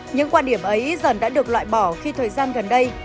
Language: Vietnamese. những quan điểm ấy dần đã được loại bỏ khi thời gian gần đây